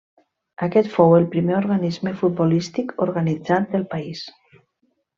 Aquest fou el primer organisme futbolístic organitzat del país.